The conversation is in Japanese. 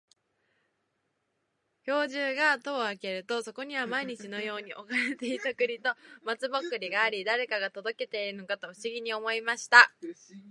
兵十が戸を開けると、そこには毎日のように置かれていた栗と松茸があり、誰が届けているのかと不思議に思いました。